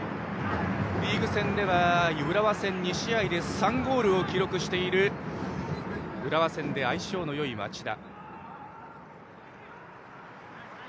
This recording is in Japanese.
リーグ戦では浦和戦２試合で３ゴールを記録している浦和戦と相性のよい町田。